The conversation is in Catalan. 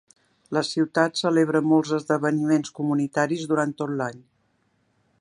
La ciutat celebra molts esdeveniments comunitaris durant tot l'any.